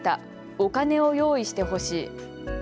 お金を用意してほしい。